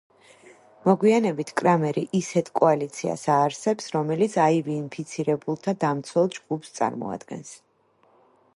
მოგვიანებით კრამერი ისეთ კოალიციას აარსებს, რომელიც აივ-ინფიცირებულთა დამცველ ჯგუფს წარმოადგენს.